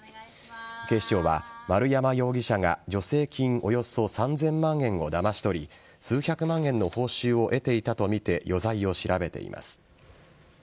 警視庁は丸山容疑者が助成金およそ３０００万円をだまし取り数百万円の報酬を得ていたとみて余罪を調べています。